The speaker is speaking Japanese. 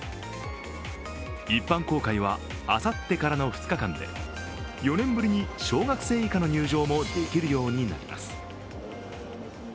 一般公開はあさってからの２日間で、４年ぶりに小学生以下の入場もできるようになります。